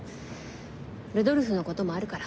「ルドルフ」のこともあるから。